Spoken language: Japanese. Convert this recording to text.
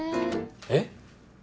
えっ？